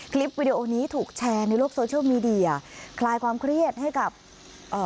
วิดีโอนี้ถูกแชร์ในโลกโซเชียลมีเดียคลายความเครียดให้กับเอ่อ